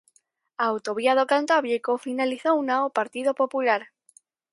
A autovía do Cantábrico finalizouna o Partido Popular.